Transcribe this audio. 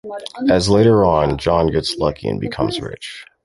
As later on John gets lucky and becomes rich.